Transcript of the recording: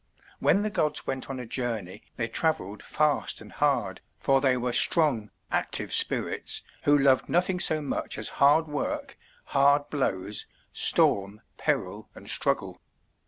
When the gods went on a journey they travelled fast and hard, for they were strong, active spirits who loved nothing so much as hard work, hard blows, storm, peril, and struggle.